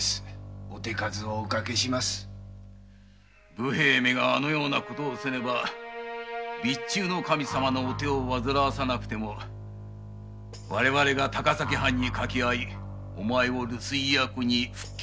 武兵衛めがあのようなことをせねば備中守様のお手をわずらわさなくても我々が高崎藩にかけあいお前を留守居役に復帰させることができておったのにな。